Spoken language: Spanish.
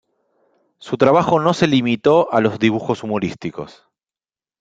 Su trabajo no se limitó a los dibujos humorísticos.